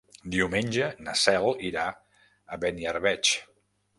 Diumenge na Cel irà a Beniarbeig.